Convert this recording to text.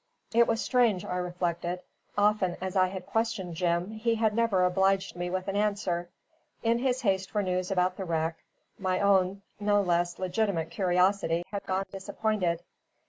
It was strange, I reflected: often as I had questioned Jim, he had never obliged me with an answer. In his haste for news about the wreck, my own no less legitimate curiosity had gone disappointed.